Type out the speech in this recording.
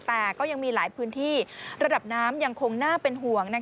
แต่ก็ยังมีหลายพื้นที่ระดับน้ำยังคงน่าเป็นห่วง